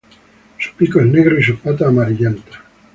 Su pico es negro y sus patas amarillentas.